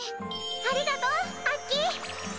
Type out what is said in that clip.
ありがとうアッキー！